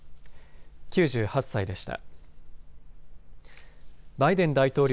９８歳でした。